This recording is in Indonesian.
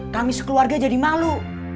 kami sekeluarga jadi malu